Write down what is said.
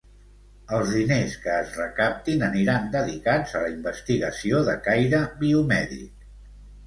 Els diners que es recaptin aniran dedicats a la investigació de caire biomèdic.